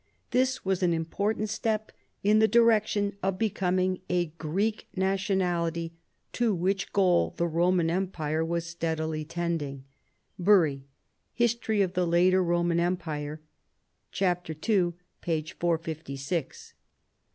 This was an important step in the direction of becoming a Greek nationality, to which goal the Roman em pire was steadily tending " (Bury, History of the Later Roman Einjpire^ ii. 456).